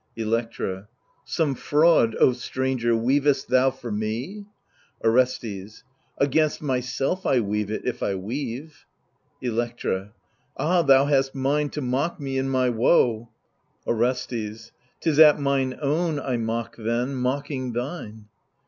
Electra Some fraud, O stranger, weavest thou for me ? Orestes Against myself I weave it, if I weave. Electra Ah, thou hast mind to mock me in my woe 1 Orestes 'Tis at mine own I mock then, mocking thine.